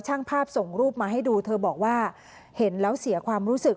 ช่างภาพส่งรูปมาให้ดูเธอบอกว่าเห็นแล้วเสียความรู้สึก